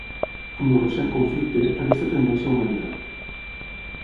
Amb el recent conflicte, aquesta tendència ha augmentat.